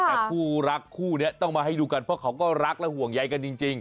แต่คู่รักคู่นี้ต้องมาให้ดูกันเพราะเขาก็รักและห่วงใยกันจริง